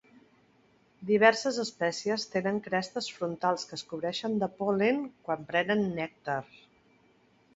Diverses espècies tenen crestes frontals que es cobreixen de pol·len quan prenen nèctar.